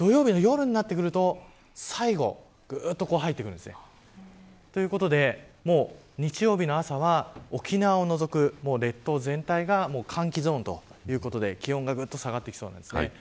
土曜日の夜になると最後ぐっと入ってくるんですね。ということで日曜日の朝は沖縄を除く列島全体が寒気ゾーンということで気温がぐっと下がってきそうです。